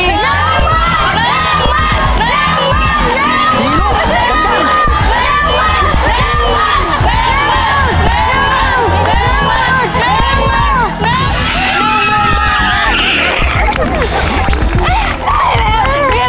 ๑หมื่น